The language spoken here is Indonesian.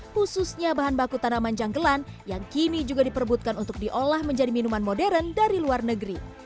khususnya bahan baku tanaman janggelan yang kini juga diperbutkan untuk diolah menjadi minuman modern dari luar negeri